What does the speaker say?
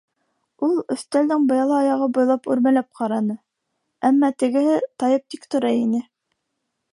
Ул өҫтәлдең быяла аяғы буйлап үрмәләп ҡараны, әммә тегеһе тайып тик тора ине.